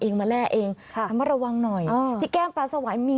เองมาแรกเองครับมันระวังหน่อยอ่อที่แก้มปลาสวายมี